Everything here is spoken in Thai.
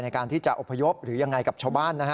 ในการที่จะอพยพหรือยังไงกับชาวบ้านนะฮะ